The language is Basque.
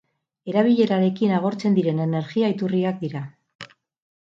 Erabilerarekin agortzen diren energia-iturriak dira.